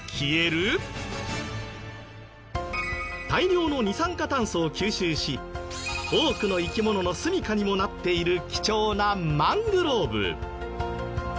大量の二酸化炭素を吸収し多くの生き物のすみかにもなっている貴重なマングローブ。